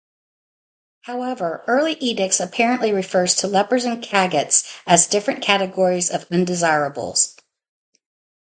However, early edicts apparently refer to lepers and Cagots as different categories of undesirables.